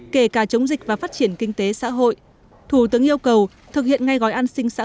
kể cả chống dịch và phát triển kinh tế xã hội thủ tướng yêu cầu thực hiện ngay gói an sinh xã